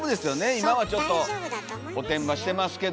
今はちょっとおてんばしてますけども。